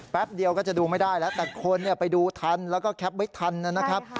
เดียวก็จะดูไม่ได้แล้วแต่คนไปดูทันแล้วก็แคปไว้ทันนะครับ